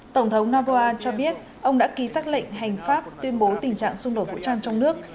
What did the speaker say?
tổng thống novoa cho biết ông đã ký xác lệnh hành pháp tuyên bố tình trạng xung đột vũ trang trong nước